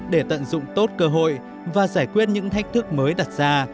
để tận dụng tốt cơ hội và giải quyết những thách thức mới đặt ra